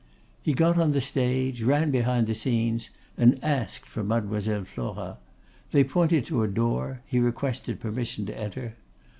He got on the stage, ran behind the scenes, and asked for Mlle. Flora. They pointed to a door; he requested permission to enter.